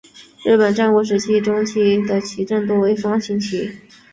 日本战国时代中期的阵旗多为方形旗。